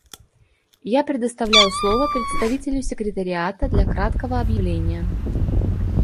Я предоставляю слово представителю Секретариата для краткого объявления.